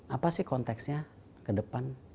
apa sih konteksnya ke depan